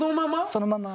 そのまま。